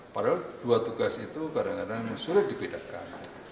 padahal dua tugas itu kadang kadang sulit dibedakan